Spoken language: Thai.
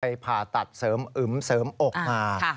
ผ่าตัดเสริมอึมเสริมอกมา